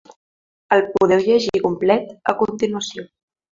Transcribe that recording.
El podeu llegir complet a continuació.